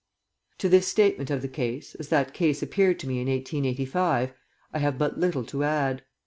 To this statement of the case, as that case appeared to me in 1885, I have but little to add.